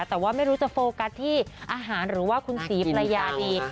แต่ว่าไม่รู้จะโฟกัสที่อาหารหรือว่าคุณศรีภรรยาดี